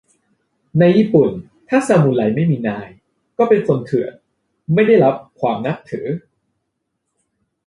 ในญี่ปุ่น ถ้าซามูไรไม่มีนาย ก็เป็นคนเถื่อน ไม่ได้รับความนับถือ